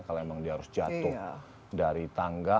kalau memang dia harus jatuh dari tangga